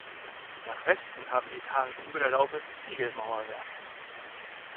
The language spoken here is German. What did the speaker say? Nach Westen haben die Etagen über der Laube Ziegelmauerwerk.